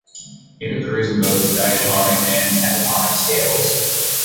It occurs in both diatonic and pentatonic scales.